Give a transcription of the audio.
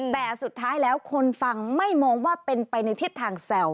แต่สุดท้ายแล้วคนฟังไม่มองว่าเป็นไปในทิศทางแซว